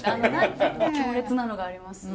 強烈なのがありますよね。